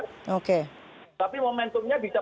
tapi momentumnya bisa